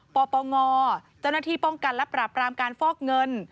ปปงเจ้าหน้าที่ป้องกันและปราบรามการฟอกเงิน